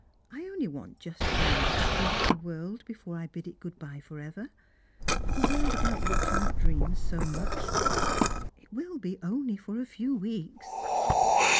I only want just one little peep at the world before I bid it good bye for ever — the world about which I have dreamed so much. It wiH be only for a few weeks."